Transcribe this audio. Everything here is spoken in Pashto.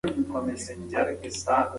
هغې وویل ورزش د عضلو د فعالیت کچه لوړوي.